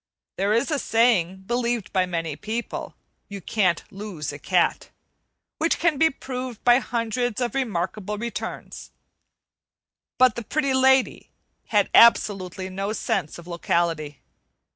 There is a saying, believed by many people, "You can't lose a cat," which can be proved by hundreds of remarkable returns. But the Pretty Lady had absolutely no sense of locality.